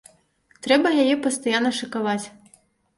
Трэба яе пастаянна шакаваць.